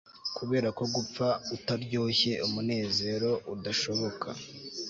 kuberako gupfa utaryoshye umunezero udashoboka